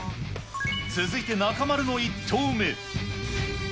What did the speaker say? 続いて中丸の１投目。